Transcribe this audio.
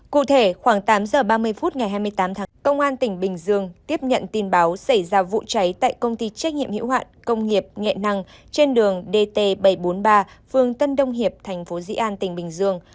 cụ thể khoảng tám giờ ba mươi phút ngày hai mươi tám tháng công an tỉnh bình dương tiếp nhận tin báo xảy ra vụ cháy tại công ty trách nhiệm hiệu hoạn công nghiệp nghệ năng trên đường dt bảy trăm bốn mươi ba phương tân đông hiệp thành phố dĩ an tỉnh bình dương